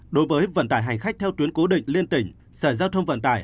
đối với vận tải hành khách theo tuyến cố định liên tỉnh sở giao thông vận tải